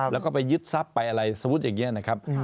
แล้วก็ไปยึดทรัพย์ไปอะไรสมมุติอย่างนี้นะครับ